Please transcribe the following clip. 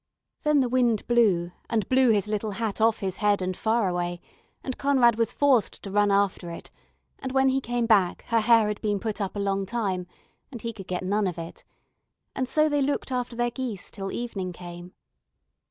Then the wind blew, and blew his little hat off his head and far away, and Conrad was forced to run after it, and when he came back, her hair had been put up a long time, and he could get none of it, and so they looked after their geese till evening came.